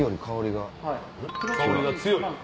香りが強い？